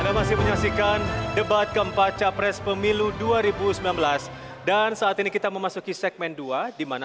anda masih menyaksikan debat keempat capres pemilu dua ribu sembilan belas dan saat ini kita memasuki segmen dua dimana